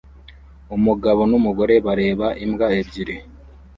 Umugabo numugore bareba imbwa ebyiri